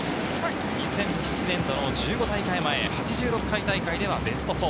２００７年度の１５大会前、８６回大会ではベスト４。